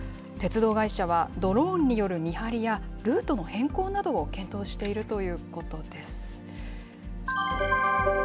鉄道会社はドローンによる見張りや、ルートの変更などを検討しているということです。